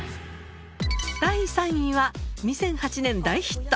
第３位は２００８年大ヒット